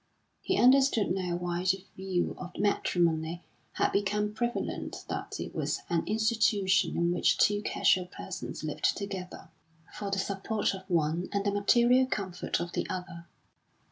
He understood now why the view of matrimony had become prevalent that it was an institution in which two casual persons lived together, for the support of one and the material comfort of the other.